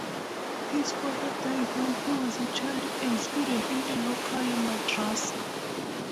His father died when he was child and student in the local madrasa.